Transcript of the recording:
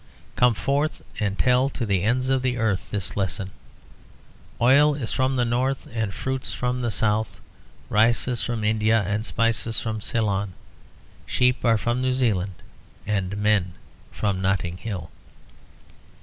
Come forth and tell to the ends of the earth this lesson. Oil is from the North and fruits from the South; rices are from India and spices from Ceylon; sheep are from New Zealand and men from Notting Hill."